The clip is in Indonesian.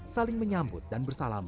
saling menyambut dan bersalaman